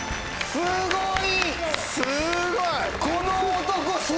すごい！